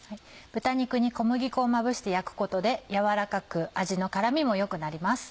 豚肉に小麦粉をまぶして焼くことで軟らかく味の絡みも良くなります。